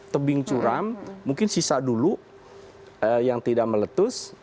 tebing curam mungkin sisa dulu yang tidak meletus